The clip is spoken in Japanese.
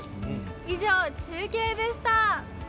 以上、中継でした。